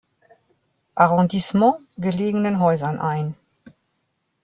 Arrondissement gelegenen Häusern ein.